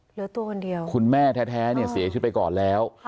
เหลือตัวคนเดียวคุณแม่แท้เนี่ยเสียชีวิตไปก่อนแล้ว